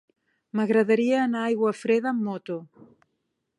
M'agradaria anar a Aiguafreda amb moto.